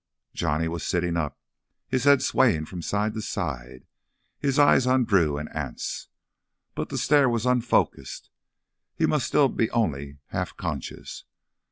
Johnny was sitting up, his head swaying from side to side, his eyes on Drew and Anse. But the stare was unfocused; he must still be only half conscious.